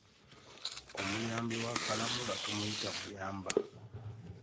Omuyambi wa kalamula, tumuyita muyamba.